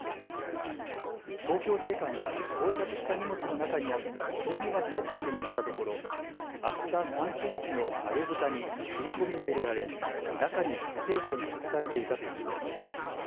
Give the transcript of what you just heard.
東京税関が到着した荷物の中にあった工具箱を確認したところ厚さ３センチの上ぶたに切り込みが入れられ中に覚醒剤が隠されていたということです。